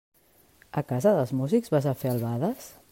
A casa dels músics vas a fer albades?